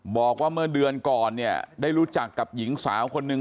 บอกว่าเมื่อเดือนก่อนเนี่ยได้รู้จักกับหญิงสาวคนหนึ่ง